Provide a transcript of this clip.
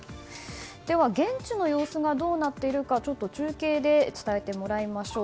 では現地の様子がどうなっているか中継で伝えてもらいましょう。